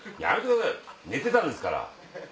寝てたんですから。